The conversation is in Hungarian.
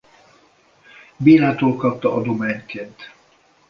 Bélától kapta adományként.